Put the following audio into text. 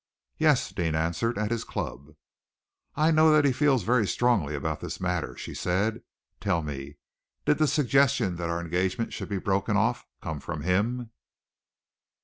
"Yes!" Deane answered. "At his club." "I know that he feels very strongly about this matter," she said. "Tell me, did the suggestion that our engagement should be broken off come from him?"